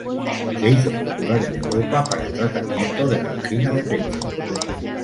Se hizo popular en Europa para el tratamiento de la angina de pecho.